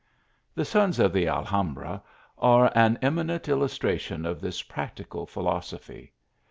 The " Sons of the Alhambra " are an eminent illustration of this practical pnilosophy.